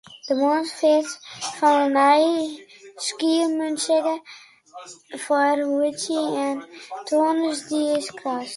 De moarnsfeart fan en nei Skiermûntseach foar hjoed en tongersdei is skrast.